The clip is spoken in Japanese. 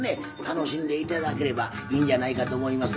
楽しんで頂ければいいんじゃないかと思いますが。